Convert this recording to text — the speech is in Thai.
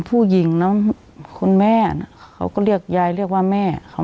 ผู้หญิงเนอะคุณแม่เขาก็เรียกยายเรียกว่าแม่เขา